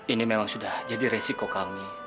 ini memang sudah jadi resiko kami